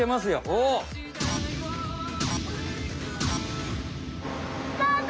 おお！スタート！